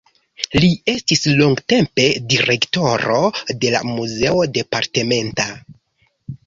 Li estis longtempe direktoro de la muzeo departementa.